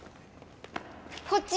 こっち！